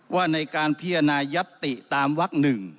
ว่าในการพิจารณายัตติตามวัก๑